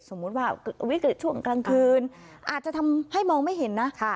สมมุติว่าวิกฤตช่วงกลางคืนอาจจะทำให้มองไม่เห็นนะ